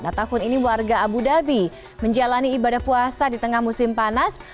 nah tahun ini warga abu dhabi menjalani ibadah puasa di tengah musim panas